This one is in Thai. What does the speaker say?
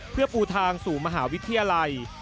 เพื่อปูทางสู่มหาวิทยาลัย